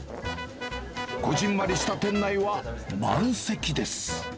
こぢんまりした店内は満席です。